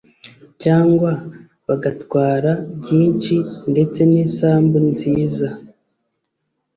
cyangwa bagatwara byinshi ndetse n’isambu nziza,